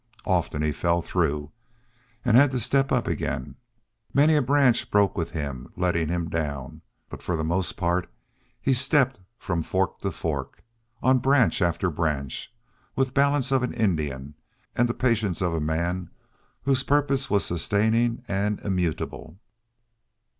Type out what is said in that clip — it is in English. Often he fell through and had to step up again; many a branch broke with him, letting him down; but for the most part he stepped from fork to fork, on branch after branch, with balance of an Indian and the patience of a man whose purpose was sustaining and immutable.